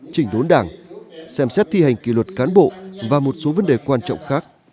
chỉnh đốn đảng xem xét thi hành kỳ luật cán bộ và một số vấn đề quan trọng khác